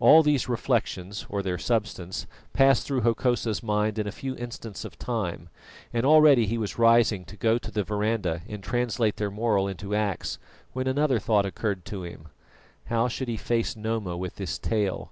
All these reflections, or their substance, passed through Hokosa's mind in a few instants of time, and already he was rising to go to the verandah and translate their moral into acts, when another thought occurred to him How should he face Noma with this tale?